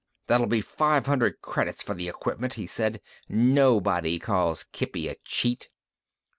"That'll be five hundred credits for the equipment," he said. "Nobody calls Kippy a cheat."